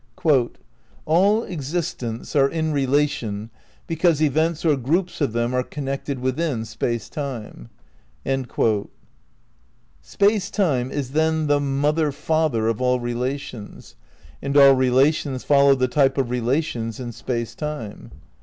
"All existents are in relation because events or groups of them are connected within Space Time."^ Space Time is then the Mother Father of all rela tions, and all relations follow the type of relations in Space Time.